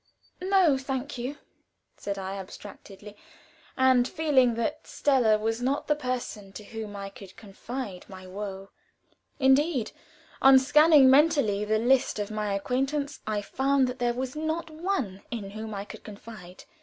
"No, thank you," said I, abstractedly, and feeling that Stella was not the person to whom I could confide my woe. Indeed, on scanning mentally the list of my acquaintance, I found that there was not one in whom I could confide.